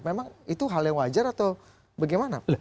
memang itu hal yang wajar atau bagaimana